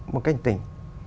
một cảnh tỉnh